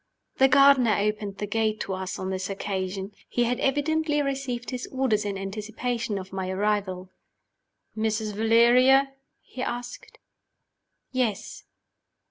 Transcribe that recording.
THE gardener opened the gate to us on this occasion. He had evidently received his orders in anticipation of my arrival. "Mrs. Valeria?" he asked. "Yes."